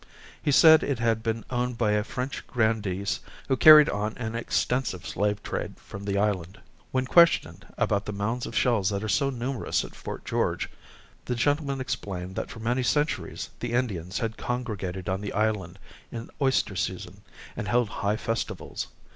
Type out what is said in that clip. He said it had been owned by French grandees who carried on an extensive slave trade from the island. When questioned about the mounds of shells that are so numerous at Fort George, the gentleman explained that for many centuries the Indians had congregated on the island in oyster season, and held high festivals.